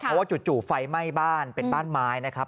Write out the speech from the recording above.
เพราะว่าจู่ไฟไหม้บ้านเป็นบ้านไม้นะครับ